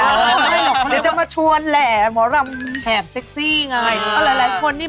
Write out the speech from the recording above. ไม่หรอกเดี๋ยวจะมาชวนแหละหมอลำแผบเซ็กซี่ไง